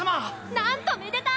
なんとめでたい！